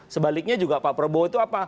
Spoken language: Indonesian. sebaliknya juga pak prabowo itu apa